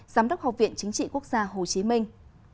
giám đốc học viện chính trị quốc gia hồ chí minh